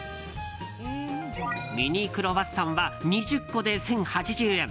ミニクロワッサンは２０個で１０８０円。